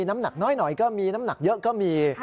น้ำหนักน้อยหน่อยก็มีน้ำหนักเยอะก็มี